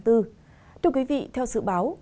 thưa quý vị theo dự báo